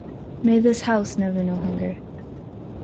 May this house never know hunger.